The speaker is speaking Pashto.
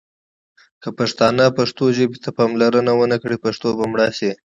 که پښتانه پښتو ژبې ته پاملرنه ونه کړي ، پښتو به مړه شي.